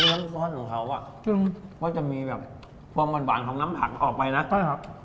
ด้วยน้ำขึ้นของเขาอะก็จะมีแบบความหวานส่องน้ำผักน้ำเขาออกไปนะครับ